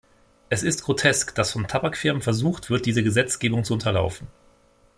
Es ist grotesk, dass von Tabakfirmen versucht wird, diese Gesetzgebung zu unterlaufen.